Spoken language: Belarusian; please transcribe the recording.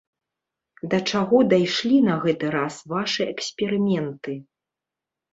Да чаго дайшлі на гэты раз вашы эксперыменты?